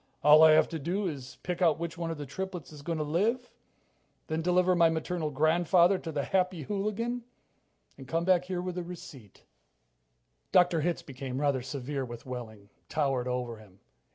"All I have to do is pick out which one of the triplets is going to live, then deliver my maternal grandfather to the Happy Hooligan, and come back here with a receipt." Dr. Hitz became rather severe with Wehling, towered over him.